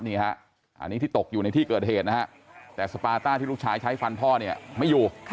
นี่ฮะอันนี้ที่ตกอยู่ในที่เกิดเหตุนะฮะแต่สปาต้าที่ลูกชายใช้ฟันพ่อเนี่ยไม่อยู่